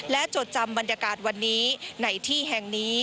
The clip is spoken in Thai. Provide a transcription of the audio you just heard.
และจดจำบรรยากาศวันนี้ในที่แห่งนี้